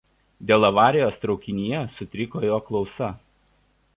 Dėl avarijos traukinyje sutriko jo klausa.